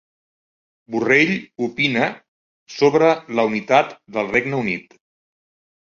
Borrell opina sobre la unitat del Regne Unit